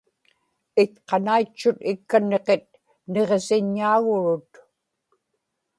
itqanaitchut ikka niqit niġisiññaagurut